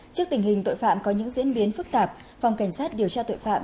trước tình hình tội phạm có những diễn biến phức tạp phòng cảnh sát điều tra tội phạm